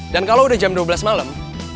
dan kalau udah jam dua belas malem